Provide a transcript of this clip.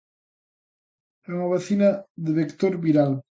É unha vacina de vector viral.